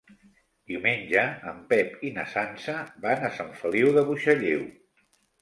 Diumenge en Pep i na Sança van a Sant Feliu de Buixalleu.